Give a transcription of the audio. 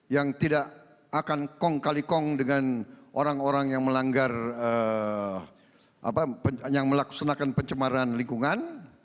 yang tidak akan kong kali kong dengan orang orang yang melaksanakan pencemaran lingkungan